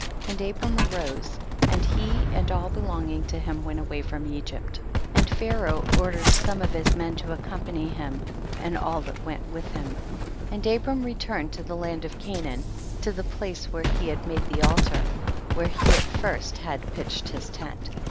33. And Abram arose, and he and all belonging to him went away from Egypt ; and Pharaoh ordered some of his men to accompany him and all that xcent witli him. 34. And Abram returned to the land of Canaan, to the place where he had made the altar, where he at first had pitched his tent.